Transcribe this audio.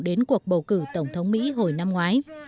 đến cuộc bầu cử tổng thống mỹ hồi năm ngoái